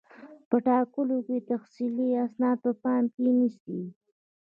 په ټاکلو کې تحصیلي اسناد په پام کې نیسي.